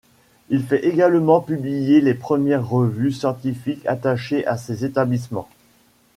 Il fait également publier les premières revues scientifiques attachées à ces établissements.